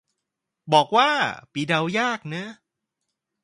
บอกว่า ปีเดายากนะ